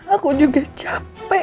aku juga capek